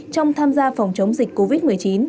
trong tham gia phòng chống dịch covid một mươi chín